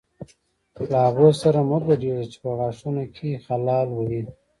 له هغو سره مه ګډېږئ چې په غاښونو کې خلال وهي.